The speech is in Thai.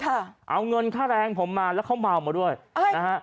ค่ะเอาเงินค่าแรงผมมาแล้วเขาเมามาด้วยอ่านะฮะ